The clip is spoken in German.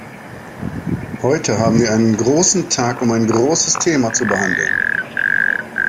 Heute haben wir einen großen Tag, um ein großes Thema zu behandeln.